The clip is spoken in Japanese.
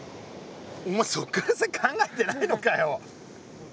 お前そっから先考えてないのかよ！